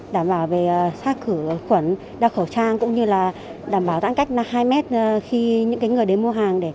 đảm bảo về xác khử khuẩn đa khẩu trang cũng như là đảm bảo giãn cách hai m khi những người đến mua hàng